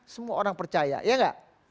semua orang percaya iya gak